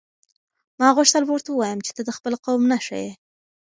ما غوښتل ورته ووایم چې ته د خپل قوم نښه یې.